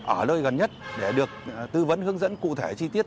ở nơi gần nhất để được tư vấn hướng dẫn cụ thể chi tiết